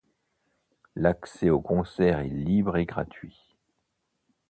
L'accès aux concerts est libre et gratuit.